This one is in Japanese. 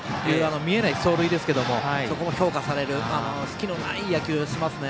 見えない走塁ですがそこも評価される隙のない野球をしますね。